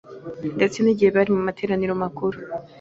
ndetse n’igihe bari mu materaniro makuru.